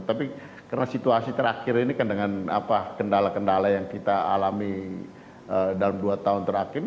tapi karena situasi terakhir ini kan dengan kendala kendala yang kita alami dalam dua tahun terakhir